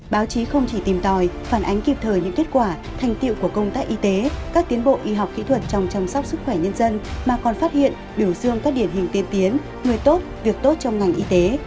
báo chí không chỉ tìm tòi phản ánh kịp thời những kết quả thành tiệu của công tác y tế các tiến bộ y học kỹ thuật trong chăm sóc sức khỏe nhân dân mà còn phát hiện biểu dương các điển hình tiên tiến người tốt việc tốt trong ngành y tế